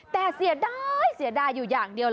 แต่เสียดายเสียดายอยู่อย่างเดียวเลย